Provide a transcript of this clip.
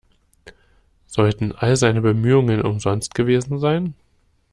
Sollten all seine Bemühungen umsonst gewesen sein?